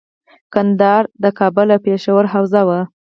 ګندهارا د کابل او پیښور حوزه وه